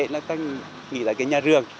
người ta nghĩ là cái nhà giường